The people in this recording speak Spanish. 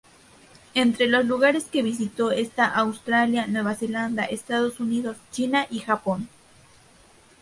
Entre los lugares que visitó, están Australia, Nueva Zelanda, Estados Unidos, China, y Japón.